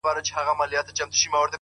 ستا بې روخۍ ته به شعرونه ليکم_